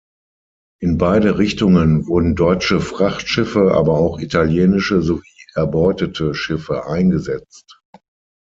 In beide Richtungen wurden deutsche Frachtschiffe, aber auch italienische sowie erbeutete Schiffe eingesetzt.